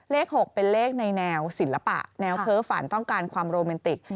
เลข๖เป็นเลขในแนวศิลปะแนวเพ้อฝันต้องการความโรแมนติก